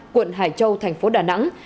quận hải châu thành phố đà nẵng